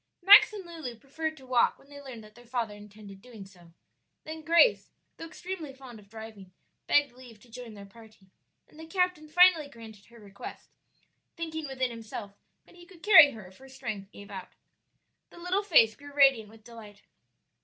Max and Lulu preferred to walk when they learned that their father intended doing so; then Grace, though extremely fond of driving, begged leave to join their party, and the captain finally granted her request, thinking within himself that he could carry her if her strength gave out. The little face grew radiant with delight.